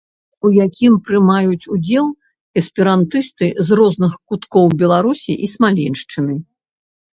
у якім прымаюць удзел эсперантысты з розных куткоў Беларусі і Смаленшчыны.